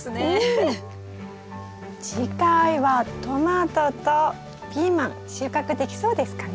次回はトマトとピーマン収穫できそうですかね。